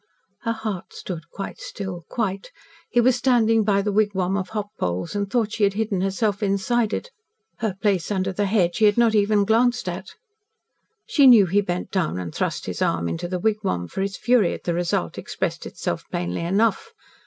Her heart stood quite still quite. He was standing by the wigwam of hop poles and thought she had hidden herself inside it. Her place under the hedge he had not even glanced at. She knew he bent down and thrust his arm into the wigwam, for his fury at the result expressed itself plainly enough.